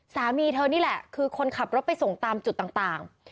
สามีเธอนี่แหละคือคนขับรถไปส่งตามจุดต่าง